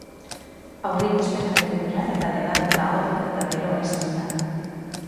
Aurreikuspenak bete dira eta debate kaotiko eta beroa izan da.